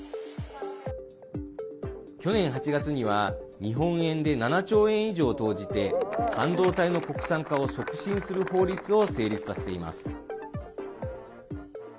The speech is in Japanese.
去年８月には日本円で７兆円以上を投じて半導体の国産化を促進する法律を成立させています。